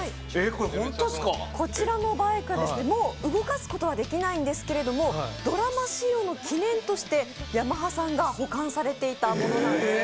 こちらのバイク、もう動かすことはできないんですがドラマ使用の記念としてヤマハさんが保管されていたものなんです。